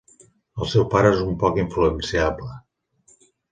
El seu pare és un poc influenciable.